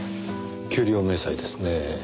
給料明細ですねぇ。